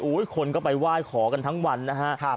อุ้ยคนก็ไปว่ายขอกันทั้งวันนะฮะ